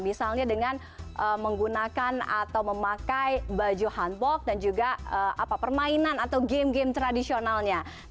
misalnya dengan menggunakan atau memakai baju hanbok dan juga permainan atau game game tradisionalnya